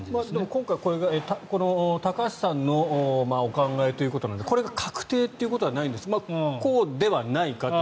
今回これが高橋さんのお考えということなのでこれが確定ということではないんですがこうではないかと。